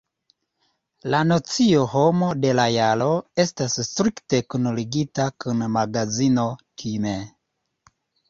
La nocio Homo de la Jaro estas strikte kunligita kun magazino Time.